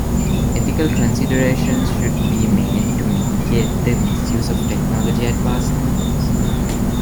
Ethical considerations should be made to mitigate the misuse of technology advancements.